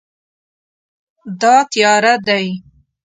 دا تیاره دی